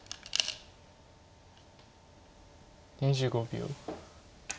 ２５秒。